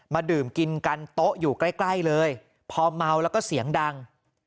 ดื่มกินกันโต๊ะอยู่ใกล้เลยพอเมาแล้วก็เสียงดัง